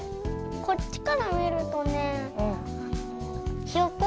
こっちからみるとねひよこ？